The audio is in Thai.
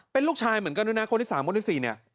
เป็นลูกชายเหมือนกันด้วยนะคนที่๓คนที่๔เนี่ย